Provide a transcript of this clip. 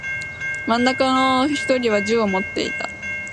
真ん中の一人は銃を持っていた。